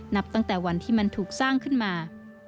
นับตั้งแต่วันที่มันถูกสร้างขึ้นมา